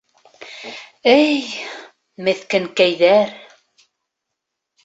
Эй, меҫкенкәйҙәр.